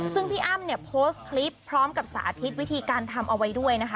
ซึ่งพี่อ้ำเนี่ยโพสต์คลิปพร้อมกับสาธิตวิธีการทำเอาไว้ด้วยนะคะ